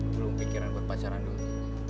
belum pikiran buat pacaran dulu